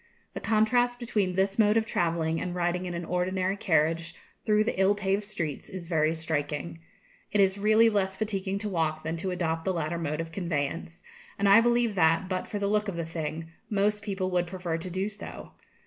The contrast between this mode of travelling and riding in an ordinary carriage through the ill paved streets is very striking. It is really less fatiguing to walk than to adopt the latter mode of conveyance, and I believe that, but for the look of the thing, most people would prefer to do so.